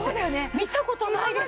見た事ないです！